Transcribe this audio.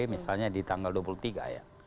misalnya di tanggal dua puluh tiga ya